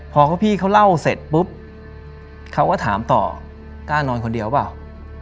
พอพี่เขาเล่าเสร็จปุ๊บเขาก็ถามต่อกล้านอนคนเดียวเปล่า